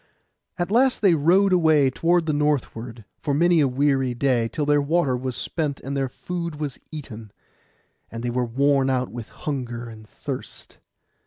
At last they rowed away toward the northward, for many a weary day, till their water was spent, and their food eaten; and they were worn out with hunger and thirst.